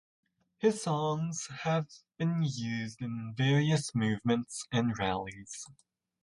His songs have been used in various movements and rallies.